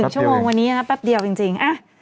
ชั่วโมงวันนี้นะแป๊บเดียวจริง